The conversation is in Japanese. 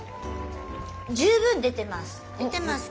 十分出てます。